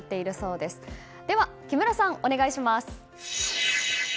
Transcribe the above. では木村さん、お願いします。